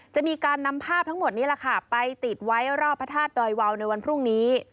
จะมีการนำภาพทั้งหมดนี้แหละค่ะไปติดไว้รอบพระธาตุดอยวาวในวันพรุ่งนี้